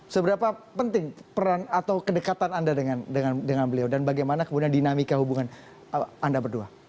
seberapa penting peran atau kedekatan anda dengan beliau dan bagaimana kemudian dinamika hubungan anda berdua